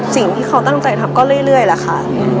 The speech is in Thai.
สิ่งที่เขาตั้งใจทำก็เรื่อยแหละค่ะ